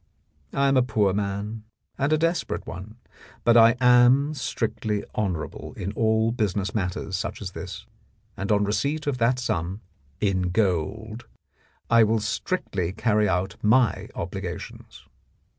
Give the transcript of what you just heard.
I am a poor man, and a desperate one, but am strictly honourable in all business matters such as this, and on receipt of that sum in gold I will strictly carry out my obligations.